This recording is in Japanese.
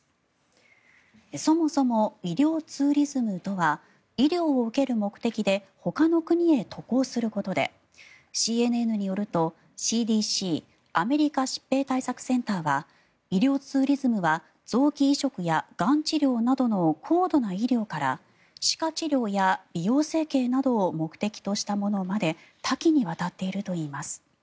そもそも、医療ツーリズムとは医療を受ける目的でほかの国へ渡航することでＣＮＮによるとＣＤＣ・アメリカ疾病対策センターは医療ツーリズムは臓器移植や、がん治療などの高度な医療から歯科治療や美容整形などを目的としたものまで多岐にわたっているといいます。